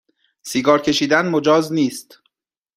سیگار کشیدن مجاز نیست